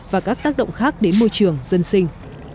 và các tác động khác đến môi trường dân sinh